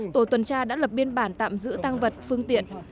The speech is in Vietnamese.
tổ tuần tra đã lập biên bản tạm giữ tăng vật phương tiện